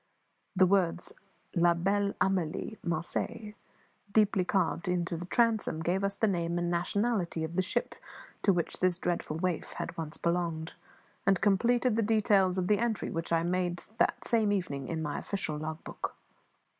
The words "La Belle Amelie, Marseille," deeply carved in the transom, gave us the name and nationality of the ship to which this dreadful waif had once belonged, and completed the details of the entry which I that same evening made in my official log book.